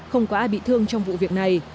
không có ai bị thương trong vụ việc này